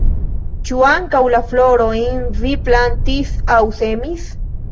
Ĉu ankaŭ la florojn vi plantis aŭ semis?